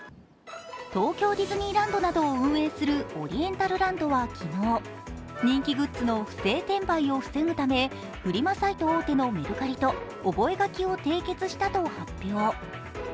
東京ディズニーランドなどを運営するオリエンタルランドは昨日人気グッズの不正転売を防ぐため、フリマサイト大手のメルカリと覚書を締結したと発表。